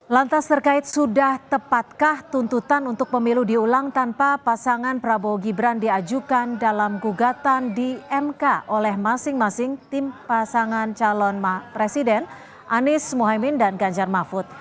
lantas terkait sudah tepatkah tuntutan untuk pemilu diulang tanpa pasangan prabowo gibran diajukan dalam gugatan di mk oleh masing masing tim pasangan calon presiden anies mohaimin dan ganjar mahfud